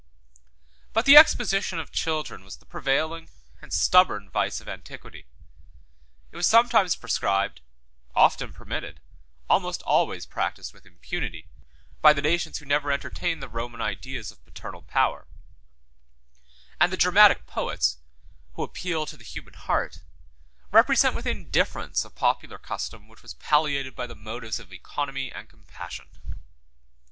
But the exposition of children was the prevailing and stubborn vice of antiquity: it was sometimes prescribed, often permitted, almost always practised with impunity, by the nations who never entertained the Roman ideas of paternal power; and the dramatic poets, who appeal to the human heart, represent with indifference a popular custom which was palliated by the motives of economy and compassion.